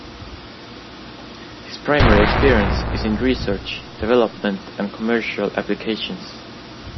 His primary experience is in research, development, and commercial applications.